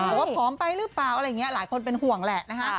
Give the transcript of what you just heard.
บอกว่าผอมไปหรือเปล่าอะไรอย่างนี้หลายคนเป็นห่วงแหละนะคะ